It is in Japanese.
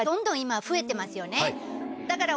だから。